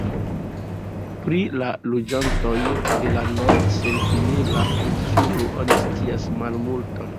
Pri la loĝantoj de la Nord-Sentinela Insulo oni scias malmulton.